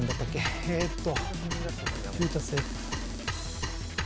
えーっと。